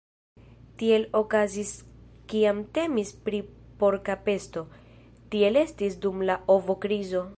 Tiel okazis kiam temis pri porka pesto, tiel estis dum la ovo-krizo.